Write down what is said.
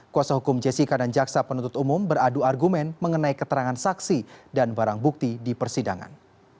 kuasa hukum jessica dan jaksa penuntut umum beradu argumen mengenai keterangan saksi dan barang bukti di persidangan